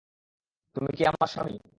তুমি কি আমার স্বামী?